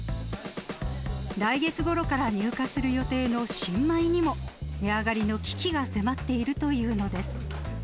来月ごろから入荷する予定の新米にも、値上がりの危機が迫っているというのです。